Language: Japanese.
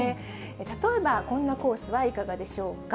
例えば、こんなコースはいかがでしょうか。